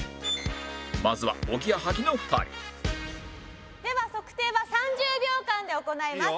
まずはおぎやはぎの２人では測定は３０秒間で行います。